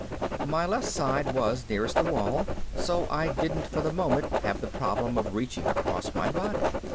My left side was nearest the wall so I didn't for the moment have the problem of reaching across my body.